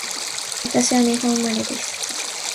私は日本生まれです